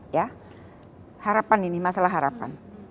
ya harapan ini masalah harapan